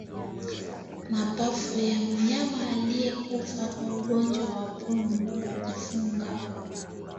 Mapafu ya mnyama aliyekufa kwa ugonjwa wa pumu hujifunga